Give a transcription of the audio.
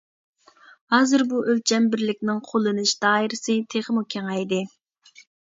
ھازىر بۇ ئۆلچەم بىرلىكنىڭ قوللىنىش دائىرىسى تېخىمۇ كېڭەيدى.